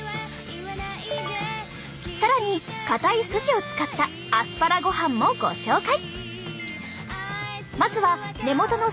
更にかたいスジを使ったアスパラご飯もご紹介！